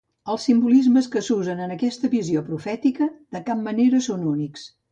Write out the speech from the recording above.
Els simbolismes que s'usen en aquesta visió profètica de cap manera són únics.